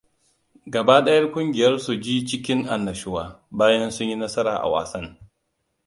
Gaba ɗaya ƙungiyar sun ji su cikin annashuwa, bayan sun yi nasara a wasan.